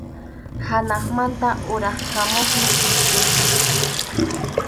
Hanaqmanta uraykamuqmi chikchiqa.